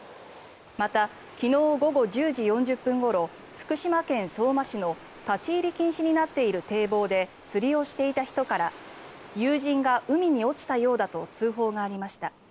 また、昨日午後１０時４０分ごろ福島県相馬市の立ち入り禁止になっている堤防で釣りをしていた人から友人が海に落ちたようだと通報がありました。